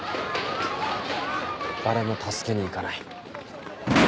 誰も助けに行かない。